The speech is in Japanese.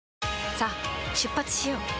さあ出発しよう。